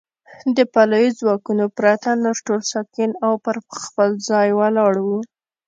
د پلیو ځواکونو پرته نور ټول ساکن او پر خپل ځای ولاړ و.